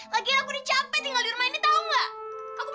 lagian aku udah capek tinggal di rumah ini tau gak